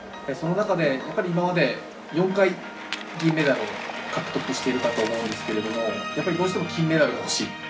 その中で、今まで４回銀メダルを獲得しているかと思うんですけれどもどうしても金メダルがほしい。